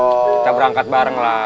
kita berangkat barenglah